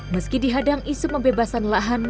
meski dihadang isu pembebasan lahan